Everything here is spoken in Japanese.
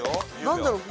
何だろう？